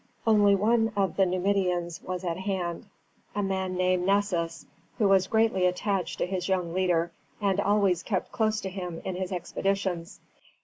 Only one of the Numidians was at hand, a man named Nessus, who was greatly attached to his young leader, and always kept close to him in his expeditions.